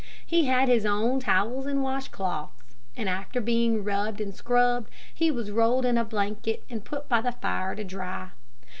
He had his own towels and wash cloths, and after being rubbed and scrubbed, he was rolled in a blanket and put by the fire to dry.